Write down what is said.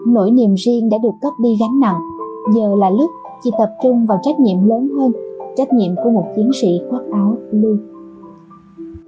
nỗi niềm riêng đã được cất đi gánh nặng giờ là lúc chị tập trung vào trách nhiệm lớn hơn trách nhiệm của một chiến sĩ thoát áo luôn